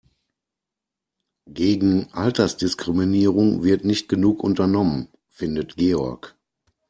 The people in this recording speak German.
Gegen Altersdiskriminierung wird nicht genug unternommen, findet Georg.